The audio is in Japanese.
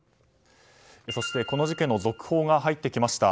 そしてこの事件の続報が入ってきました。